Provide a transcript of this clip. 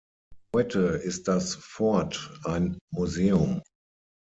Heute ist das Fort ein Museum.